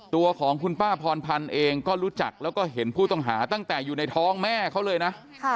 ตัวของคุณป้าพรพันธ์เองก็รู้จักแล้วก็เห็นผู้ต้องหาตั้งแต่อยู่ในท้องแม่เขาเลยนะ